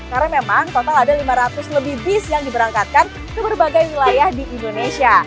karena memang total ada lima ratus lebih bis yang diberangkatkan ke berbagai wilayah di indonesia